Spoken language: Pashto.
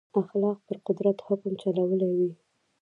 اخلاق پر قدرت حکم چلولی وي.